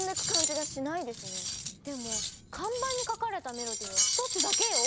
でも看板に書かれたメロディーは１つだけよ？